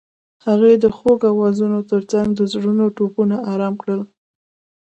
هغې د خوږ اوازونو ترڅنګ د زړونو ټپونه آرام کړل.